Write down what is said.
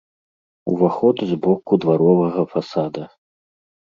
Уваход з боку дваровага фасада.